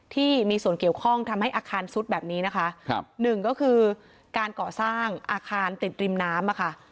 ที่มีส่วนเกี่ยวข้องทำให้อาคารซุดแบบนี้นะคะครับหนึ่งก็คือการก่อสร้างอาคารติดริมน้ำอ่ะค่ะ